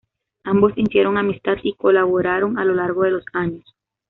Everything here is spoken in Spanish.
Ambos hicieron amistad y colaboraron a lo largo de los años.